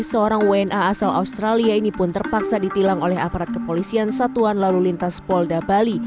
seorang wna asal australia ini pun terpaksa ditilang oleh aparat kepolisian satuan lalu lintas polda bali